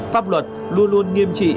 pháp luật luôn luôn nghiêm trị